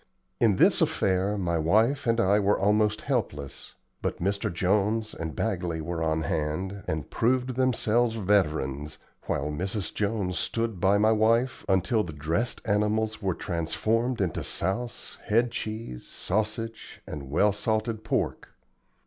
In this affair my wife and I were almost helpless, but Mr. Jones and Bagley were on hand, and proved themselves veterans, while Mrs. Jones stood by my wife until the dressed animals were transformed into souse, head cheese, sausage, and well salted pork.